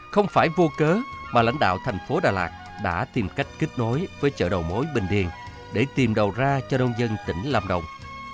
không phải vô cớ mà lãnh đạo thành phố đà lạt đã tìm cách kết nối với chợ đầu mối bình điền để tìm đầu ra cho nông dân tỉnh lâm đồng